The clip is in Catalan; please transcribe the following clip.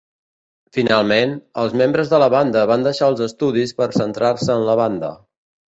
Finalment, els membres de la banda van deixar els estudis per centrar-se en la banda.